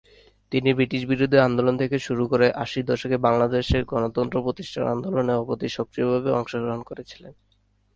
তিনি ব্রিটিশবিরোধী আন্দোলন থেকে শুরু করে আশির দশকে বাংলাদেশে গণতন্ত্র প্রতিষ্ঠার আন্দোলন অবধি সক্রিয়ভাবে অংশগ্রহণ করেছিলেন।